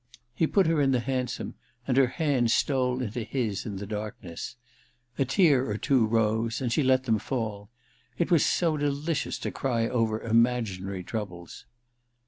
He put her in the hansom, and her hand stole into his in the darkness. A I THE RECKONING 203 tear or two rose, and she let them fall. It was so delicious to cry over imaginary troubles